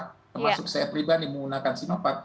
termasuk saya pribadi menggunakan sinovac